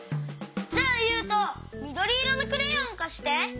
じゃあゆうとみどりいろのクレヨンかして！